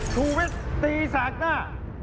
ถูกวิทย์ตีสักหน้า